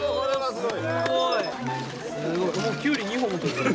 すごいもうきゅうり２本も取ってる。